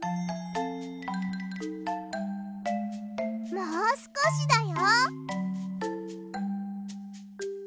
もうすこしだよ！